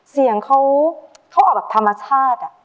เสียงเขาออกแบบธรรมชาติ